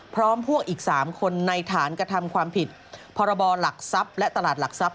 พร้อมพวกอีก๓คนในฐานกระทำความผิดพรบหลักทรัพย์และตลาดหลักทรัพย